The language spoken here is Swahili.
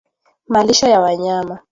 malisho ya wanyama